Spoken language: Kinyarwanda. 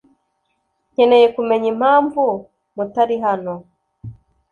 Nkeneye kumenya impamvu mutari hano.